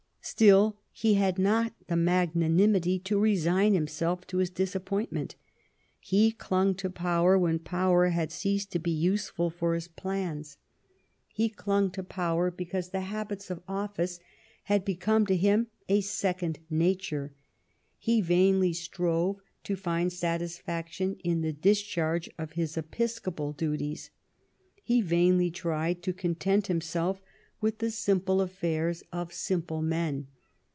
Still he had not the magnanimity to resign himself to his disappointment. He clung to power when power had ceased to be useful for his plans. He clung to power, because the habits of office had become to him a £iecond nature. He vainly strove to find satisfaction in the dis charge of his episcopal duties ; he vainly tried to content himself with the simple affairs of simple men.